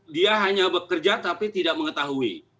dia hanya bekerja tapi tidak mengetahui